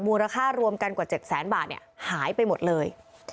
มูลค่ารวมกันกว่า๗แสนบาทหายไปหมดเลย